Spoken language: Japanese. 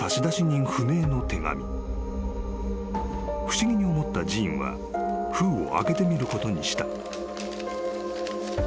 ［不思議に思ったジーンは封を開けてみることにした］